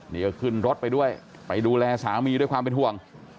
นี่ก็ขึ้นรถไปด้วยไปดูแลสามีด้วยความเป็นห่วง